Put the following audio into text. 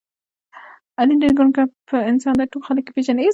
علي ډېر ګنډ کپ انسان دی، ټول خلک یې پېژني.